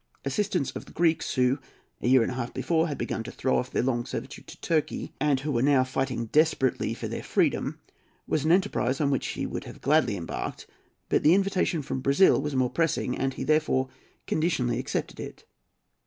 Assistance of the Greeks who, a year and a half before, had begun to throw off their long servitude to Turkey, and who were now fighting desperately for their freedom, was an enterprise on which he would gladly have embarked, but the invitation from Brazil was more pressing, and he therefore conditionally accepted it.